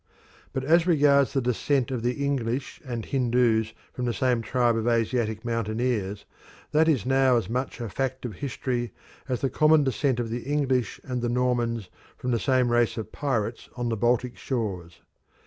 But as regards the descent of the English and Hindus from the same tribe of Asiatic mountaineers, that is now as much a fact of history as the common descent of the English and the Normans from the same race of pirates on the Baltic shores.